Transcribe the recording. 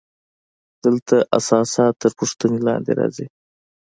دلته اساسات تر پوښتنې لاندې راځي.